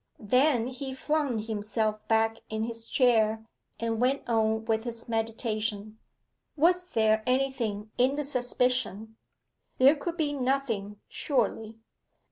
Then he flung himself back in his chair, and went on with his meditation. Was there anything in the suspicion? There could be nothing, surely.